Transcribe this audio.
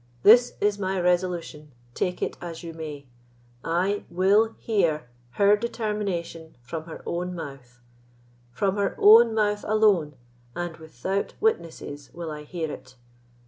This is my resolution, take it as you may. I WILL hear her determination from her own mouth; from her own mouth, alone, and without witnesses, will I hear it.